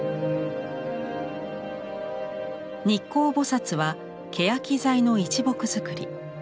日光菩はケヤキ材の一木造り。